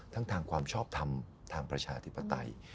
ทั้งทางความชอบทำทางประชาธิปไตย